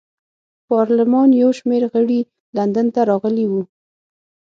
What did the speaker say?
پارلمان یو شمېر غړي لندن ته راغلي وو.